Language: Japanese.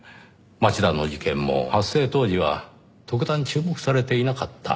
町田の事件も発生当時は特段注目されていなかった。